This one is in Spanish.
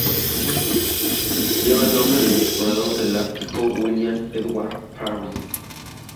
Lleva el nombre del explorador del Ártico William Edward Parry.